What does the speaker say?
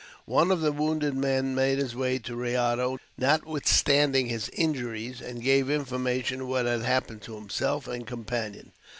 One of the wounded men made his way to Rayado, notwithstanding his injuries, and gave information of what had happened to himself and companion.